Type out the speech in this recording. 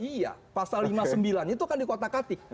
iya pasal lima puluh sembilan itu kan di kota kati